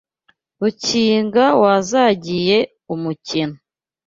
Rukiga wazangiye umukeno